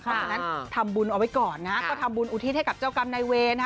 เพราะฉะนั้นทำบุญเอาไว้ก่อนนะก็ทำบุญอุทิศให้กับเจ้ากรรมนายเวรนะฮะ